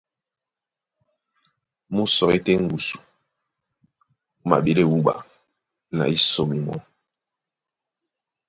Mú sɔí tɛ́ ŋgusu, mú maɓélɛ́ wúɓa ná í sóme mɔ́.